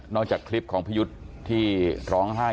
จากคลิปของพี่ยุทธ์ที่ร้องไห้